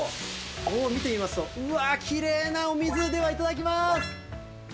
こう、見てみますと、うわー、きれいなお水、では頂きます。